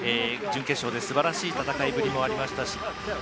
準決勝ですばらしい戦いぶりもありました。